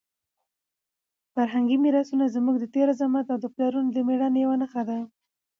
فرهنګي میراثونه زموږ د تېر عظمت او د پلرونو د مېړانې یوه نښه ده.